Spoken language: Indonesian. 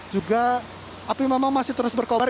juga api memang masih terus berkobar